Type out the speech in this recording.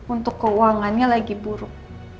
untuk keuangannya lagi buruk